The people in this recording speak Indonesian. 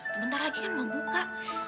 sebentar lagi kan mau buka